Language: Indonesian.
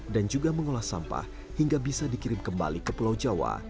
dan juga mengolah sampah hingga bisa dikirim kembali ke pulau jawa